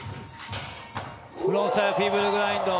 フロントサイドフィーブルグラインド。